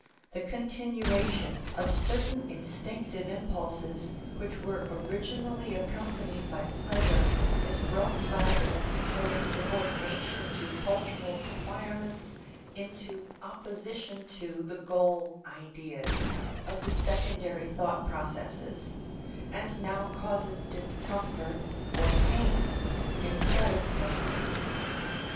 The continuation of certain instinctive impulses which were originally accompanied by pleasure is brought by the necessary subordination to cultural requirements into opposition to the goal ideas of the secondary thought processes and now causes discomfort or pain instead of pleasure.